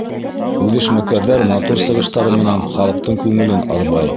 Үҙешмәкәрҙәр матур сығыштары менән халыҡтың күңелен арбай.